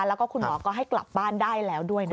แล้วก็คุณหมอก็ให้กลับบ้านได้แล้วด้วยนะคะ